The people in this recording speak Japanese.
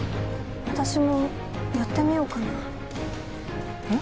私もやってみようかなえっ？